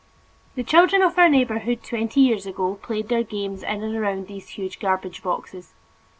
The children of our neighborhood twenty years ago played their games in and around these huge garbage boxes.